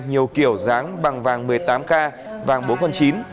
nhiều kiểu dáng bằng vàng một mươi tám k vàng bốn con chín